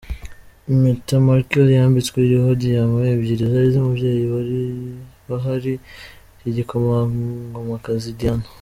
Impeta Markle yambitswe iriho diyama ebyiri zari iz’umubyeyi wa Harry, Igikomangomakazi Diana.